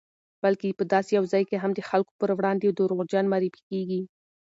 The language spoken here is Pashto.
بلکې په داسې یو ځای کې هم د خلکو پر وړاندې دروغجن معرفي کېږي